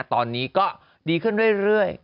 ตอนนี้ก็ดีขึ้นเรื่อย